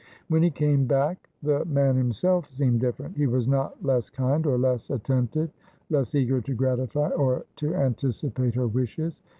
"When he came back the man himself seemed different. He was not less kind, or less attentive, less eager to gratify and to anticipate her wishes.